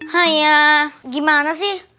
hayah gimana sih